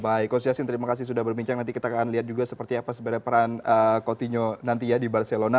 baik coach yassin terima kasih sudah berbincang nanti kita akan lihat juga seperti apa sebenarnya peran coutinho nanti ya di barcelona